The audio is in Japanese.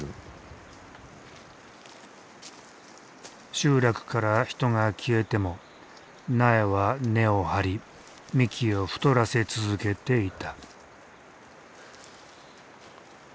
集落から人が消えても苗は根を張り幹を太らせ続けていた。